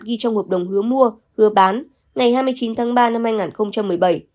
ghi trong hợp đồng hứa mua hứa bán ngày hai mươi chín tháng ba năm hai nghìn một mươi bảy